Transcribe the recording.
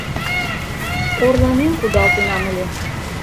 Орланен кудалтенам ыле.